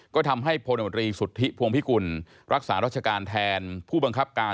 ก็ทำให้พลมตรีสุทธิพวงพิกุลรักษารัชการแทนผู้บังคับการ